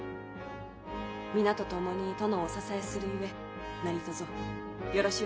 皆と共に殿をお支えするゆえ何とぞよろしゅう